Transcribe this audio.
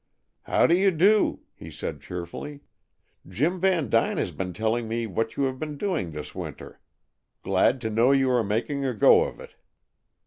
"How do you do!" he said cheerfully. "Jim Vandyne has been telling me what you have been doing this winter. Glad to know you are making a go of it."